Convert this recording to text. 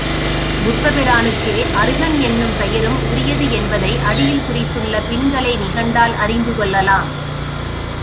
புத்தபிரானுக்கே அருகன் என்னும் பெயரும் உரியதென்பதை அடியிற் குறித்துள்ள பின்கலை நிகண்டால் அறிந்து கொள்ளலாம்.